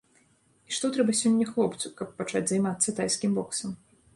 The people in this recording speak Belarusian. І што трэба сёння хлопцу, каб пачаць займацца тайскім боксам?